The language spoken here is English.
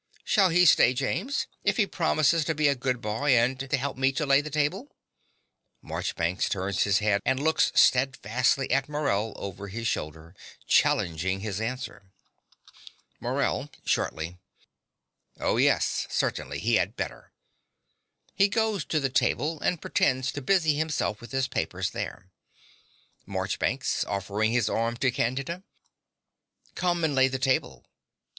Shall he stay, James, if he promises to be a good boy and to help me to lay the table? (Marchbanks turns his head and looks steadfastly at Morell over his shoulder, challenging his answer.) MORELL (shortly). Oh, yes, certainly: he had better. (He goes to the table and pretends to busy himself with his papers there.) MARCHBANKS (offering his arm to Candida). Come and lay the table.